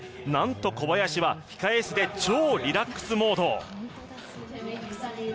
なんと小林は控え室で超リラックスモード。